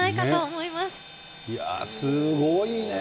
いやー、すごいね。